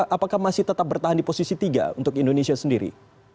apakah masih tetap bertahan di posisi tiga untuk indonesia sendiri